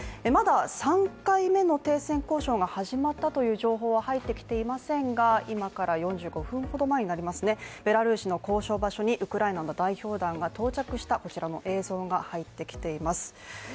まだ３回目の停戦交渉が始まったという情報は入ってきていませんが、今から４５分ほど前になりますね、ベラルーシの交渉場所にウクライナの代表団が到着した、こちらの映像が入ってきています。